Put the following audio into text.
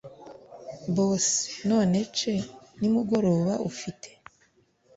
boss”nonece nimugoroba ufite